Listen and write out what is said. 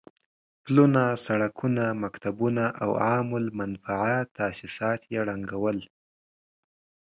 پلونه، سړکونه، مکتبونه او عام المنفعه تاسيسات يې ړنګ کړل.